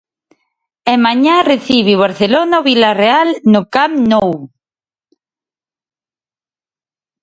E mañá recibe o Barcelona o Vilarreal no Camp Nou.